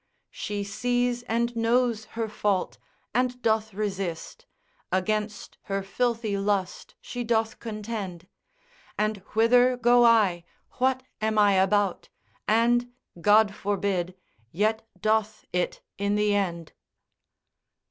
She sees and knows her fault, and doth resist, Against her filthy lust she doth contend. And whither go I, what am I about? And God forbid, yet doth it in the end.